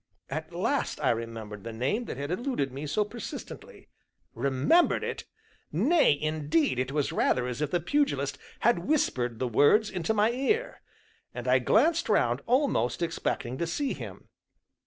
At last I remembered the name that had eluded me so persistently. Remembered it? Nay, indeed, it was rather as if the Pugilist had whispered the words into my ear, and I glanced round almost expecting to see him.